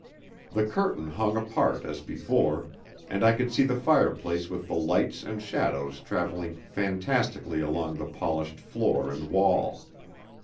The curtain hung apart as before, and I could see the fireplace with the lights and shadows travelling fantastically along the polished floor and wall.